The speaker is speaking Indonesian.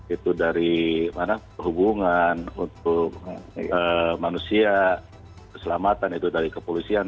itu dari perhubungan untuk manusia keselamatan itu dari kepolisian